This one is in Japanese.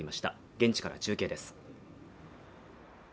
現地から中継です